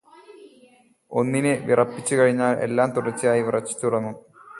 ഒന്നിനെവിറപ്പിച്ചുകഴിഞ്ഞാൽ എല്ലാം തുടർചയായി വിറച്ചുതുടങ്ങും.